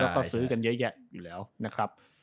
แล้วก็ซื้อกันเยอะแยะอยู่แล้วนะครับ